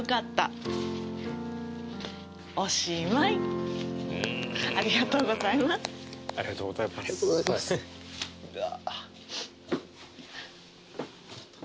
フフフフありがとうございますありがとうございますうわ